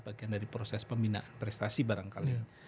bagian dari proses pembinaan prestasi barangkali